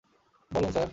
বলুন, স্যার!